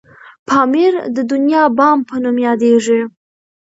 پامير د دنيا بام په نوم یادیږي.